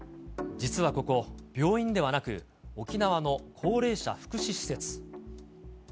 実はここ、病院ではなく、沖縄の高齢者福祉施設。